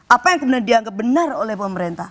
apa yang kemudian dianggap benar oleh pemerintah